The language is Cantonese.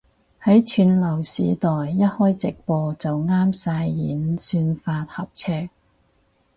喺串流時代一開直播就啱晒演算法合尺